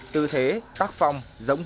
tư thế tác phong